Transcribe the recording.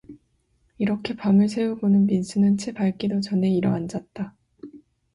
이렇게 밤을 새우고는 민수는 채 밝기도 전에 일어앉았다.